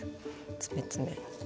詰め詰め。